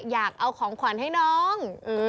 อยากเอาของขวัญให้น้อง